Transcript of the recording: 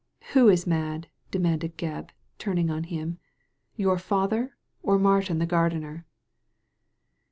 *Who is mad ?" demanded Gebb, turning on him. "Your father, or Martin the gardener?"